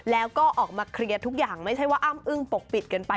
แล้วก็ออกมาเคลียร์ทุกอย่างไม่ใช่ว่าอ้ำอึ้งปกปิดกันไป